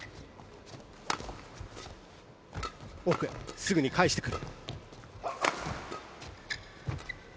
奥へ、すぐに返してくる。